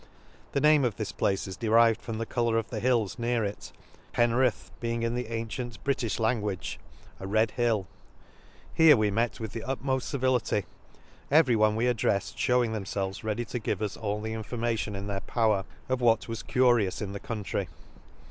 — The name of this place is derived from the colour of the hills near it, Pen roeth being in the ancient Britifh language //^ Lakes, 51 a Red HilL —■ Here we met with the ut moft civility, every one we addreft fhew ing themfelves ready to give us all the information in their power, of what was Curious in the country.